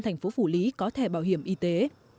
thành phố phủ lý có thẻ bảo hiểm y tế